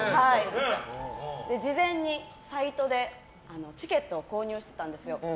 事前にサイトでチケットを購入してたんですよ。